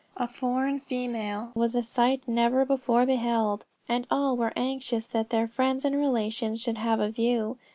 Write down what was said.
A foreign female was a sight never before beheld, and all were anxious that their friends and relations should have a view.